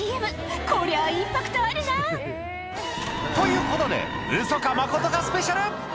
こりゃインパクトあるな。ということで、ウソかマコトかスペシャル。